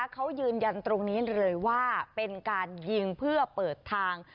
เขายืนยันตรงนี้เลยว่าเป็นการยิงเพื่อเปิดทาง